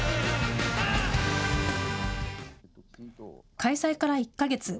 開催から１か月。